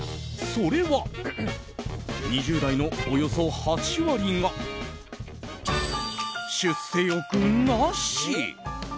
それは、２０代のおよそ８割が出世欲なし。